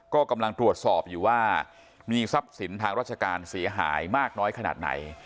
ก็กำลังตรวจสอบอยู่ว่ามีทรัพย์สินทางราชการเสียหายมากน้อยขนาดไหน